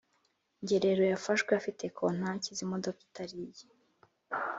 Ngerero yafashwe afite kontaki z’imodoka itari iye